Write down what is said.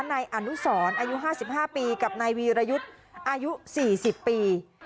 นายอนุสรอายุห้าสิบห้าปีกับนายวีรยุทธิ์อายุสี่สิบปี